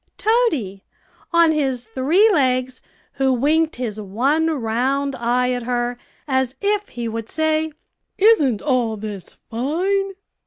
Toady, on his three legs, who winked his one round eye at her, as if he would say, "Isn't all this fine?"